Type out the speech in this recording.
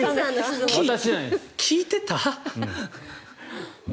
聞いてた？